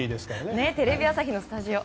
テレビ朝日のスタジオ。